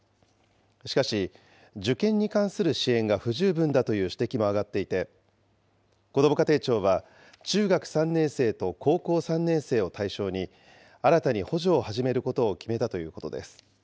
しかし、受験に関する支援が不十分だという指摘も上がっていて、こども家庭庁は、中学３年生と高校３年生を対象に、新たに補助を始めることを決めたということです。